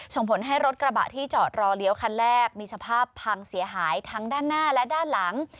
ส่งผลให้รถกระบะที่จอดรอเลี้ยวคันแรกมีสภาพพังเสียหายทั้งด้านหน้าและด้านหลัง